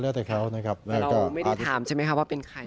เราไม่ได้ถามใช่ไหมครับว่าเป็นใคร